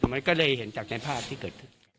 มันก็เลยเห็นจากในภาพที่เกิดขึ้น